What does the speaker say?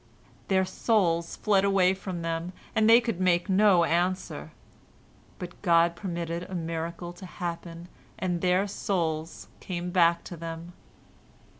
"Their souls fled away from them, and they could make no answer, but God permitted a miracle to happen, and their souls came back to them.